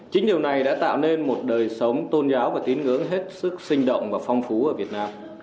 chính điều này đã tạo nên một đời sống tôn giáo và tín ngưỡng hết sức sinh động và phong phú ở việt nam